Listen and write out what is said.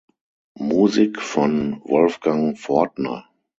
Musik von Wolfgang Fortner.